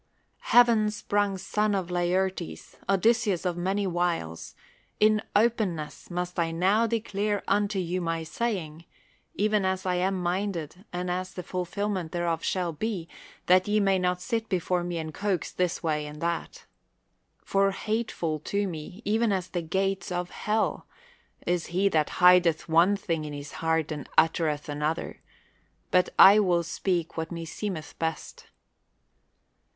Heavex sprung son of Laertes, Odysseus of many wiles, in openness must I now declare unto you my sayin":, even as I am minded and as the fulfilment thereof shall be, that ye may not sit before me and coax this way and that, l^'or hateful to me, even as the gates of hell, is he that hideth one thing in his heart and uttereth another : but I will speak what me seemeth best.